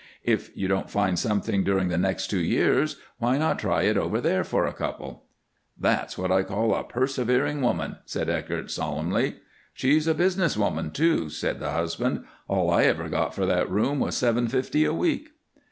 If you don't find something during the next two years, why not try it over there for a couple?" "That's what I call a persevering woman," said Eckert, solemnly. "She's a business woman, too," said the husband. "All I ever got for that room was seven fifty a week."